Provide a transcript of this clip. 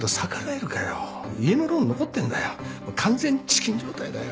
完全チキン状態だよ。